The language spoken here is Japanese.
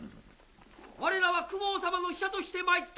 我らは公方様の使者としてまいった。